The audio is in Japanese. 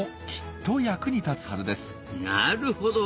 なるほど！